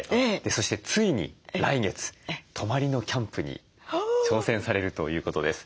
そしてついに来月泊まりのキャンプに挑戦されるということです。